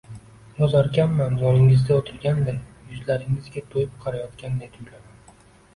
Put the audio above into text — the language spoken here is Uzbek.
Yozarkanman, yoningizda o'tirganday, yuzlaringizga to'yib qarayotganday tuyulaman.